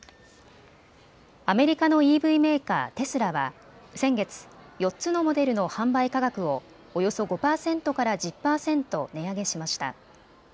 アメリカのＥＶメーカー、テスラは先月、４つのモデルの販売価格をおよそ５％から１０％値上げしました。